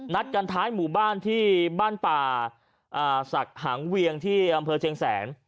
นัดกันท้ายหมู่บ้านที่บ้านป่าศักดิ์หางเวียงที่อำเภอเชียงแสน